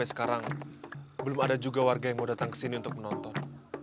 jatilan itu terdiri dari kata jaran dan tilap